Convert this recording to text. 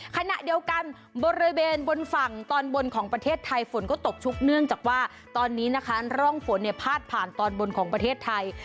ขณะเดียวกันบริเวณบนฝั่งตอนบนของประเทศไทยฝนก็ตกชุกเนื่องจากว่าตอนนี้นะคะร่องฝนเนี่ยพาดผ่านตอนบนของประเทศไทย